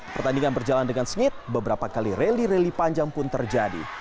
pertandingan berjalan dengan sengit beberapa kali rally rally panjang pun terjadi